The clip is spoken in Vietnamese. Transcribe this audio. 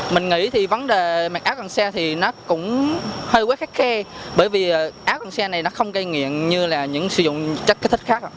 mình nghĩ thì vấn đề mặc áo cân xa thì nó cũng hơi quá khắc khe bởi vì áo cân xa này nó không gây nghiện như là những sử dụng chất kết thích khác